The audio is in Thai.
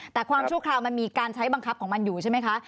แต่ความชั่วคราวมันมีการใช้บังคับของมันอยู่ใช่ไหมคะ